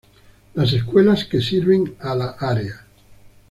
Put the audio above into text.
Las escuelas que sirven a la área